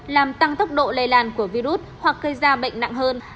làm tăng tốc độ lây lan của virus hoặc cây da bệnh nặng hơn